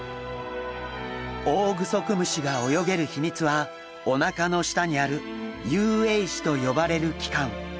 オオグソクムシが泳げる秘密はおなかの下にある遊泳肢と呼ばれる器官。